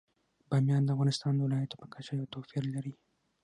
بامیان د افغانستان د ولایاتو په کچه یو توپیر لري.